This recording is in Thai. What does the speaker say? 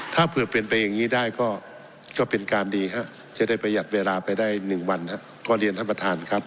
ถ้าเผื่อเป็นไปอย่างนี้ได้ก็เป็นการดีครับจะได้ประหยัดเวลาไปได้๑วันก็เรียนท่านประธานครับ